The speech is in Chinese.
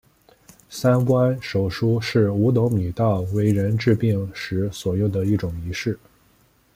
三官手书是五斗米道为人治病时所用的一种仪式。